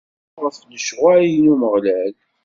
Ad cnun ɣef lecɣwal n Umeɣlal.